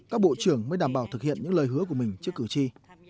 các bộ trưởng mới đảm bảo thực hiện những lời hứa của mình trước cử tri